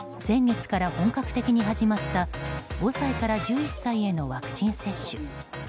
先月から本格的に始まった５歳から１１歳へのワクチン接種。